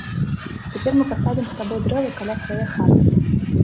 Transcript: Цяпер мы пасадзім з табой дрэвы каля свае хаты!